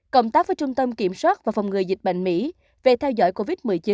cộng tác với trung tâm kiểm soát và phòng ngừa dịch bệnh mỹ về theo dõi covid một mươi chín